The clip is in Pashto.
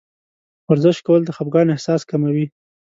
ورزش کول د خفګان احساس کموي.